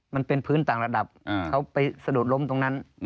มันเป็นพื้นต่างระดับเขาไปสะดุดล้มตรงนั้น